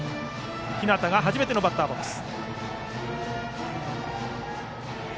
日當が初めてのバッターボックス。